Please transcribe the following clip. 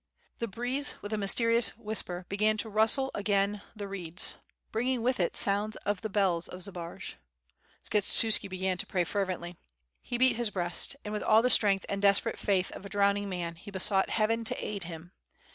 The breeze with a mysterious whisper began to rustle again the reeds, bringing with it sounds of the bells of Zbaraj. Skshetuski began to pray fervently. He beat his breast and with all the strength and desperate faith of a drowning man he besought Heaven to aid him.